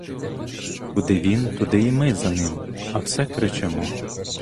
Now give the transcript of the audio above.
Куди він, туди й ми за ним, а все кричимо: